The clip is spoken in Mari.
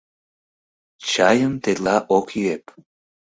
Чайым тетла ок йӱэп.